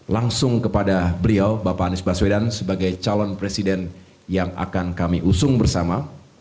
langsung kepada beliau bapak anies baswedan sebagai calon presiden yang akan kami usung bersama